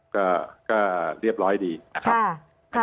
ก็เรียบร้อยดีนะครับ